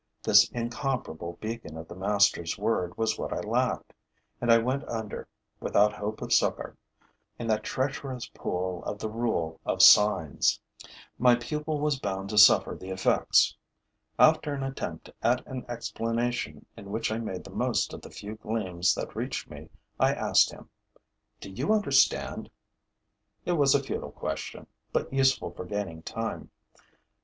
This incomparable beacon of the master's word was what I lacked; and I went under, without hope of succor, in that treacherous pool of the rule of signs. My pupil was bound to suffer the effects. After an attempt at an explanation in which I made the most of the few gleams that reached me I asked him: 'Do you understand?' It was a futile question, but useful for gaining time.